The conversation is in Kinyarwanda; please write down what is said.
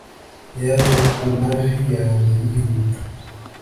yaje ku mavi yanjye yihuta